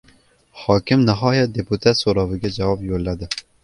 Hokim, nihoyat, deputat so‘roviga javob yo‘lladi